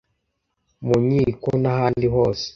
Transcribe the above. mu nkiko n’ahandi hose